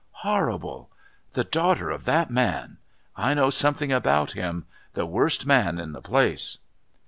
Horrible! The daughter of that man.... I know something about him...the worst man in the place."